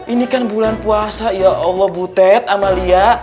ini kan bulan puasa ya allah butet amalia